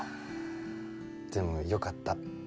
でもよかった。